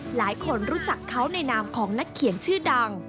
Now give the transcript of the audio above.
หลายคนรู้จักเขาในนามของนักเขียนชื่อดัง